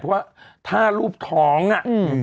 เพราะว่าถ้ารูปท้องอ่ะ